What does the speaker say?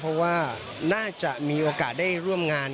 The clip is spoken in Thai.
เพราะว่าน่าจะมีโอกาสได้ร่วมงาน